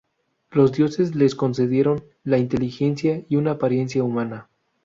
Los dioses les concedieron la inteligencia y una apariencia humana.